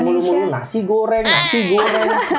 jangan mulu mulu nasi goreng nasi goreng